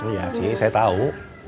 iya sih saya tahu